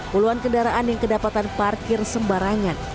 puluhan kendaraan yang kedapatan parkir sembarangan